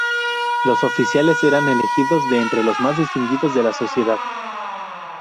Los oficiales eran elegidos de entre los más distinguidos de la sociedad.